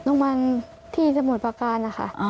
โรงพยาบาลที่สมุทรประการนะคะ